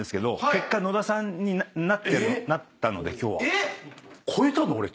結果野田さんになったので今日は。